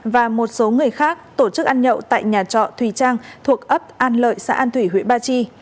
và một số người khác tổ chức ăn nhậu tại nhà trọ thùy trang thuộc ấp an lợi xã an thủy huyện ba chi